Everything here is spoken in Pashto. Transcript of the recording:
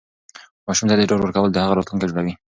ماشوم ته ډاډ ورکول د هغه راتلونکی جوړوي.